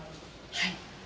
はい。